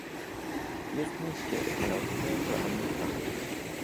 "Jest w mieście, ale oczekuję go lada minuta."